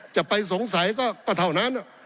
จะไปสงสัยก็เท่านั้น